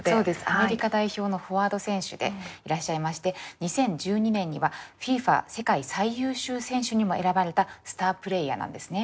アメリカ代表のフォワード選手でいらっしゃいまして２０１２年にはＦＩＦＡ世界最優秀選手にも選ばれたスタープレーヤーなんですね。